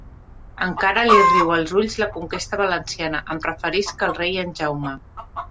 Encara li riu als ulls la conquesta valenciana; em referisc al rei en Jaume.